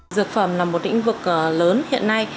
dược phẩm là một lĩnh vực lớn hiện nay